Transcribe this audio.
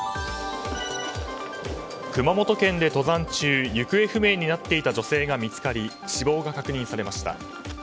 熊本県で登山中、行方不明になっていた女性が見つかり死亡が確認されました。